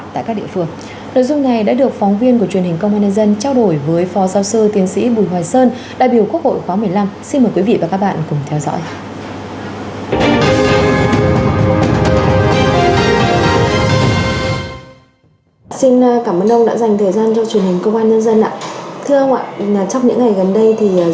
nội dung này đã được phóng viên của truyền hình công an nhân dân trao đổi với phó giáo sư tiến sĩ bùi hoài sơn đại biểu quốc hội khóa một mươi năm xin mời quý vị và các bạn cùng theo dõi